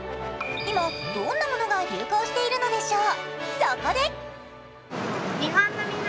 今どんなものが流行しているのでしょう。